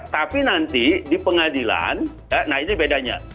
tapi nanti di pengadilan nah ini bedanya